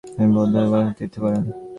তিনি বোধগয়া ও বারাণসী তীর্থ করেন।